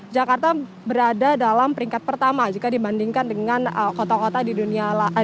jakarta berada dalam peringkat pertama jika dibandingkan dengan kota kota di dunia lain